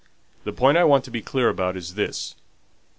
"The point I want to be clear about is this.